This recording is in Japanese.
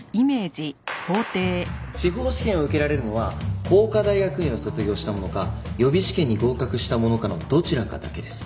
司法試験を受けられるのは法科大学院を卒業した者か予備試験に合格した者かのどちらかだけです。